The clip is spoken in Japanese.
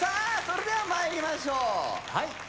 それではまいりましょうはい